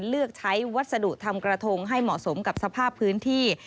เลือกใช้วัสดุทำกระทงให้เหมาะสมกับสภาพพื้นที่